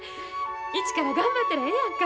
一から頑張ったらええやんか。